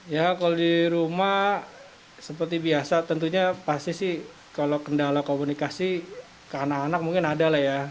ya kalau di rumah seperti biasa tentunya pasti sih kalau kendala komunikasi ke anak anak mungkin ada lah ya